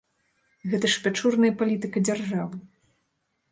Гэта ж пячорная палітыка дзяржавы!